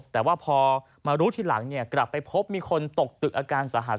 แต่ว่าพอมารู้ทีหลังกลับไปพบมีคนตกตึกอาการสาหัส